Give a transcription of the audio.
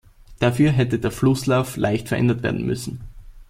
Dafür hätte der Flusslauf leicht verändert werden müssen.